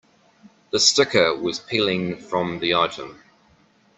The sticker was peeling from the item.